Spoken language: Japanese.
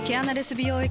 美容液